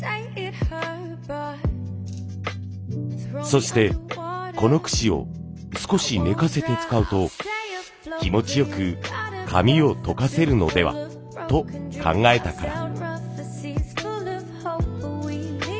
そしてこの櫛を少し寝かせて使うと気持ち良く髪をとかせるのではと考えたから。